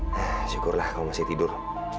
nah syukurlah kamu masih tidur